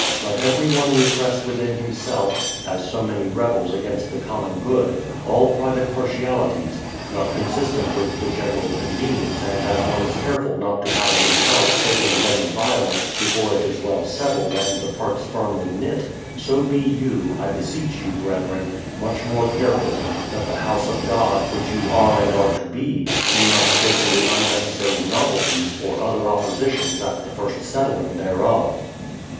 Let every one repress within himself, as so many rebels against the common good, all private partialities, not consistent with the general convenience and as one is careful not to have a new house shaken with any violence before it is well settled and the parts firmly knit, so be you, I beseech you brethren, much more careful, that the house of God, which you are and are to be, be not shaken with unnecessary novelties or other oppositions at the first settling thereof.